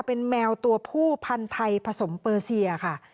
เป็นแมวตัวผู้พันธุ์ไทยผสมเปอร์เซียค่ะ